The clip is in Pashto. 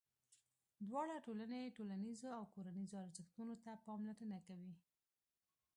دواړه ټولنې ټولنیزو او کورنیو ارزښتونو ته پاملرنه کوي.